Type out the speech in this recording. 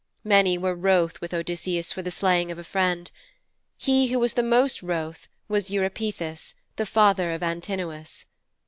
Many were wroth with Odysseus for the slaying of a friend. He who was the most wroth was Eupeithes, the father of Antinous.